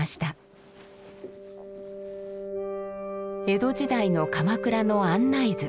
江戸時代の鎌倉の案内図。